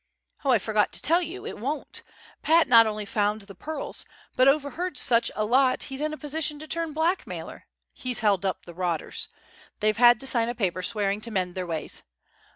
"Oh, I forgot to tell you. It won't. Pat not only found the pearls, but overheard such a lot he's in a position to turn blackmailer. He's held up the rotters. They've had to sign a paper swearing to mend their ways.